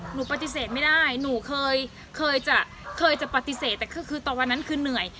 หนูปฏิเสธไม่ได้หนูเคยจะเคยจะปฏิเสธแต่คือต่อวันนั้นคือเหนื่อย